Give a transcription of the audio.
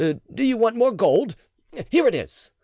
Do you want more gold? Here it is."